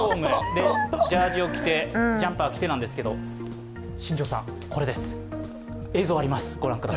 ジャージーを着て、ジャンパーを着てなんですけど新庄さん、これです。